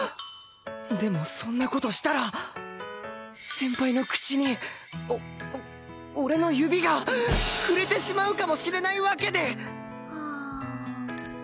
でもそんな事したら先輩の口にお俺の指が触れてしまうかもしれないわけで！